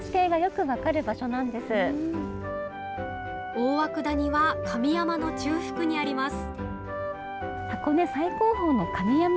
大涌谷は神山の中腹にあります。